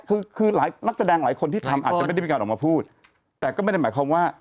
คือคือหลายนักแสดงหลายคนที่ทำอาจจะไม่ได้มีการออกมาพูดแต่ก็ไม่ได้หมายความว่า